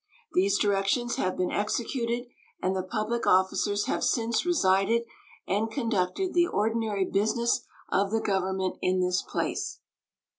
These directions have been executed, and the public officers have since resided and conducted the ordinary business of the Government in this place.